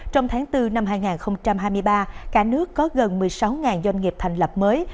trong tháng bốn năm hai nghìn hai mươi ba cả nước có gần một mươi sáu doanh nghiệp thành lập mới